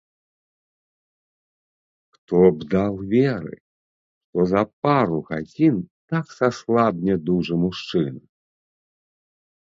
Хто б даў веры, што за пару гадзін так саслабне дужы мужчына?